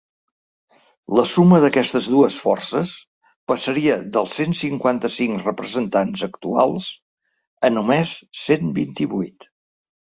La suma d’aquestes dues forces passaria dels cent cinquanta-cinc representants actuals a només cent vint-i-vuit.